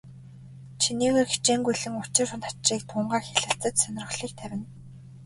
Чинээгээр хичээнгүйлэн учир начрыг тунгаан хэлэлцэж, сонирхлыг тавина.